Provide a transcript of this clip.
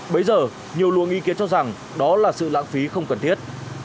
bây giờ nhiều luôn ý kiến cho rằng đó là sự lãng phí không cần thiết